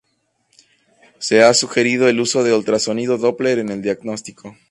Se ha sugerido el uso de ultrasonido doppler en el diagnóstico.